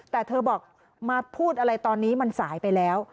แต่เธอบอกมาพูดอะไรตอนนี้มันสายไปแล้ว